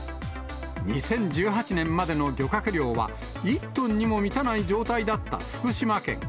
２０１８年までの漁獲量は、１トンにも満たない状態だった福島県。